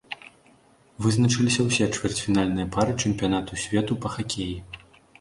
Вызначыліся ўсе чвэрцьфінальныя пары чэмпіянату свету па хакеі.